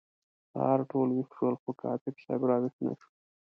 سهار ټول ویښ شول خو کاتب صاحب را ویښ نه شو.